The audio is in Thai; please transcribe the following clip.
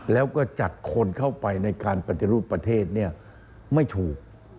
แล้วก็จัดคนเข้าไปในการปฏิรูปประเทศไม่ถูก